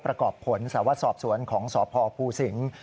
ประกอบผลสวรรค์สอบสวนของสอบพภูศิงร์